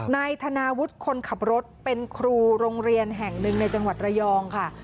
นายธนาวุฒิคนขับรถเป็นครูโรงเรียนแห่งหนึ่งในจังหวัดระยองค่ะ